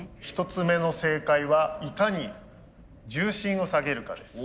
１つ目の正解はいかに重心を下げるかです。